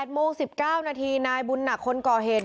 โมง๑๙นาทีนายบุญหนักคนก่อเหตุ